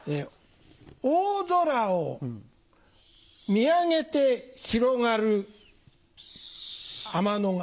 大空を見上げて広がる天の川。